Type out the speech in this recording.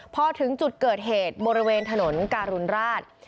พอถึงจุดเกิดเหตุบริเวณถนนการุณราช